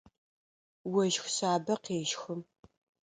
Ощх шъабэ къещхы.